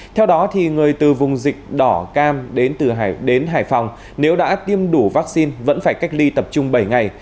theo đó người từ vùng dịch đỏ cam đến từ hải phòng nếu đã tiêm đủ vaccine vẫn phải cách ly tập trung bảy ngày